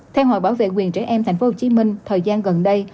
theo hội bảo vệ quyền trẻ em tp hcm thời gian gần đây